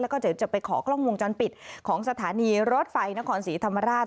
แล้วก็เดี๋ยวจะไปขอกล้องวงจรปิดของสถานีรถไฟนครศรีธรรมราช